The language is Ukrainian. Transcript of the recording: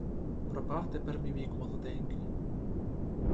Пропав тепер мій вік молоденький!